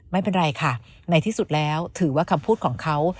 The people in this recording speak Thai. ไม่เป็นไรค่ะในที่สุดแล้วถือว่าคำพูดของเขา